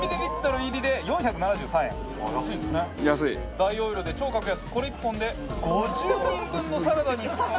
大容量で超格安これ１本で５０人分のサラダに。